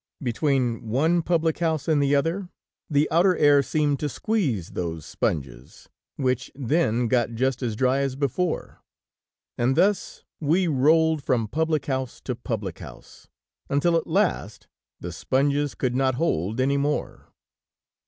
Between one public house and the other, the outer air seemed to squeeze those sponges, which then got just as dry as before, and thus we rolled from public house to public house, until at last the sponges could not hold any more.